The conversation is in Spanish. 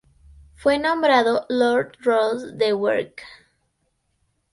Fue nombrado Lord Ross de Werke.